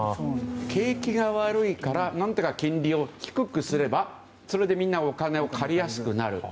景気が悪いから何とか金利を低くすればみんなお金を借りやすくなる。